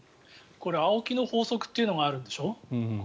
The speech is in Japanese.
これ、青木の法則というのがあるんでしょ？